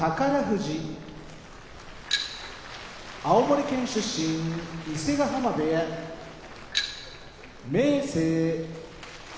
富士青森県出身伊勢ヶ濱部屋明生